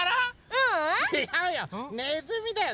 ううん！ちがうよ！